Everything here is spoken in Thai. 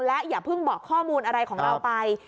และอย่าเพิ่งบอกข้อมูลอะไรของเราไป